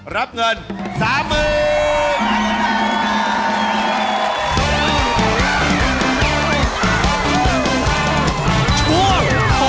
รับเงิน๓๐๐๐บาท